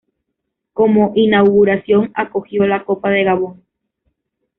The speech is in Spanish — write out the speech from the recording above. Como inauguración, acogió la Copa de Gabón.